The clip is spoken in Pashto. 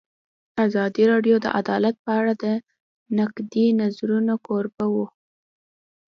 ازادي راډیو د عدالت په اړه د نقدي نظرونو کوربه وه.